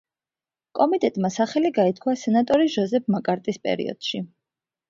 კომიტეტმა სახელი გაითქვა სენატორი ჯოზეფ მაკარტის პერიოდში.